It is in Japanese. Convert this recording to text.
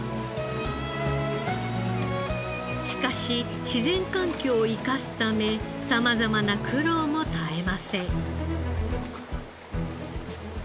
しかし自然環境を生かすため様々な苦労も絶えません。